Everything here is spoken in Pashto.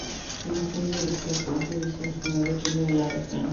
د مصنوعي ځیرکتیا پروژې د ساینس په نړۍ کې نوې لارې پرانیستې دي.